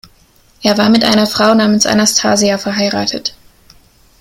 Er war mit einer Frau namens Anastasia verheiratet.